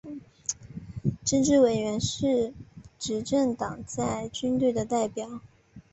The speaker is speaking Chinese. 政治委员是执政党在军队的代表。